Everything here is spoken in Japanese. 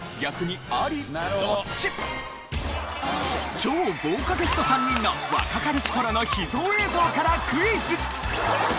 超豪華ゲスト３人の若かりし頃の秘蔵映像からクイズ！